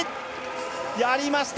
やりました！